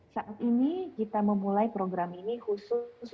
saat ini kita memulai program ini khusus